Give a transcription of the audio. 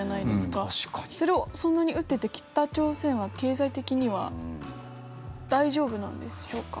それをそんなに撃ってて北朝鮮は、経済的には大丈夫なんでしょうか？